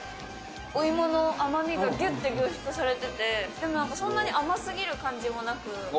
お芋の甘みがぎゅって凝縮されてて、でもなんかそんなに甘すぎる感じもなく。